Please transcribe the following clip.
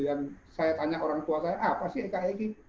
yang saya tanya orang tua saya apa sih kak egy